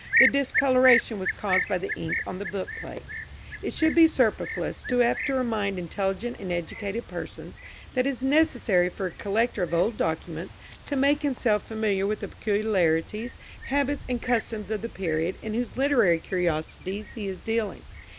The discolouration was caused by the ink on the book plate. It should be superfluous to have to remind intelligent and educated persons that it is necessary for a collector of old documents to make himself familiar with the peculiarities, habits and customs of the period in whose literary curiosities he is dealing.